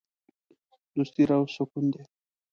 دوستي د روح سکون دی.